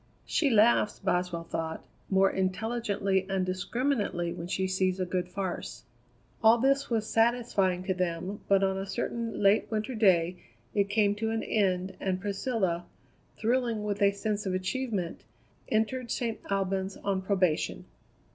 "She laughs," Boswell thought, "more intelligently and discriminately when she sees a good farce." All this was satisfying to them, but on a certain late winter day it came to an end, and Priscilla, thrilling with a sense of achievement, entered St. Albans on probation.